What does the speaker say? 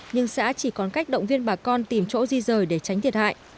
nhưng xã chỉ còn cách động viên bà con tìm chỗ di rời để tránh thiệt hại